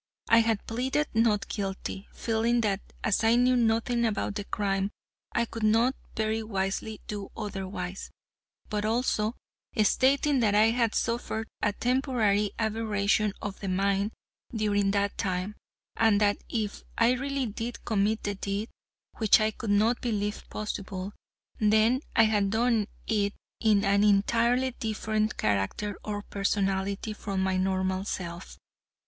I had pleaded not guilty, feeling that as I knew nothing about the crime I could not very wisely do otherwise, but also, stating that I had suffered a temporary aberration of the mind during that time, and that if I really did commit the deed, which I could not believe possible, then I had done it in an entirely different character or personality from my normal self.